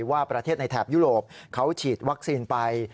ว่าประเทศในแถบยุโรปเขาฉีดวัคซีนไป